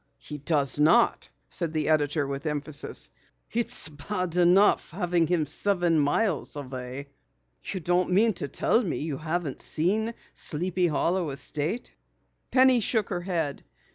"He does not," said the editor with emphasis. "It's bad enough having him seven miles away. You don't mean to tell me you haven't seen Sleepy Hollow estate?" Penny shook her head.